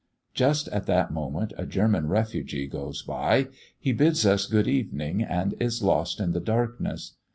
_" Just at that moment a German refugee goes by. He bids us good evening, and is lost in the darkness.